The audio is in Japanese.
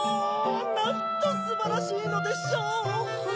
なんとすばらしいのでしょう！